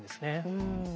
うん。